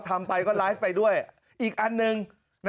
ทำไปก็ไลฟ์ไปด้วยอีกอันหนึ่ง